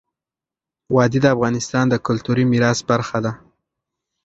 وادي د افغانستان د کلتوري میراث برخه ده.